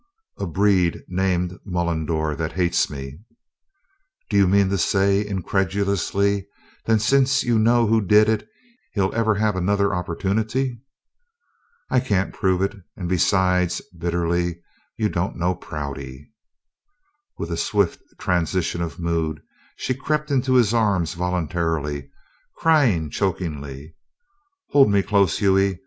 "A 'breed' named Mullendore that hates me." "Do you mean to say," incredulously, "that since you know who did it, he'll ever have another opportunity?" "I can't prove it; and, besides," bitterly, "you don't know Prouty." With a swift transition of mood she crept into his arms voluntarily, crying chokingly: "Hold me close, Hughie!